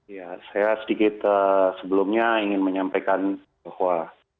ya saya sedikit sebelumnya ingin menyampaikan bahwa